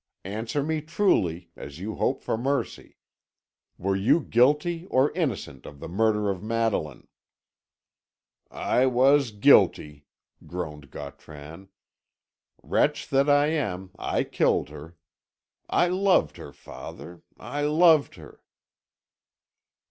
Answer me truly, as you hope for mercy. Were you guilty or innocent of the murder of Madeline?" "I was guilty," groaned Gautran. "Wretch that I am, I killed her. I loved her, father I loved her!"